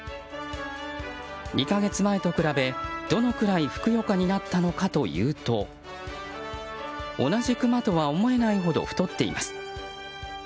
２か月前と比べ、どのくらいふくよかになったのかというと同じクマとは思えないほど太っています。